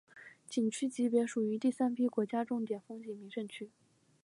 景区级别属于第三批国家重点风景名胜区。